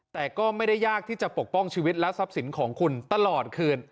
แต่ก็ไม่ได้ยากที่จะปกป้องชีวิตและทรัพย์สินของคุณตลอดคืน